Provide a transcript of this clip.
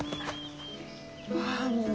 ああもう。